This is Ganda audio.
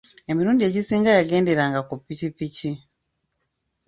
Emirundi egisinga yagenderanga ku pikipiki.